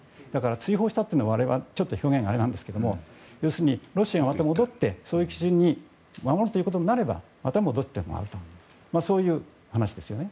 追放したというのは表現があれなんですけれども要するに、ロシアがまた戻ってそういう基準を守るということになればまた戻ってもらうというそういう話ですよね。